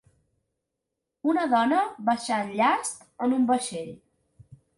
Una dona baixant llast en un vaixell.